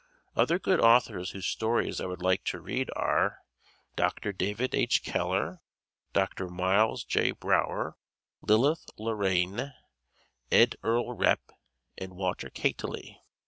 Other good authors whose stories I would like to read are: Dr. David H Keller, Dr. Miles J. Breuer, Lilith Lorraine, Ed Earl Repp and Walter Kateley.